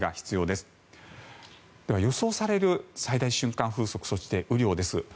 では、予想される最大瞬間風速そして、雨量です。